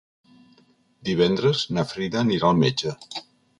Divendres na Frida anirà al metge.